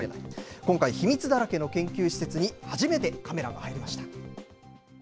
今回、秘密だらけの研究施設に初めてカメラが入りました。